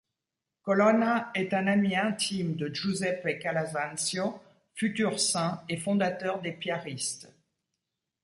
Colonna est un ami intime de Giuseppe Calasanzio, futur saint et fondateur des piaristes.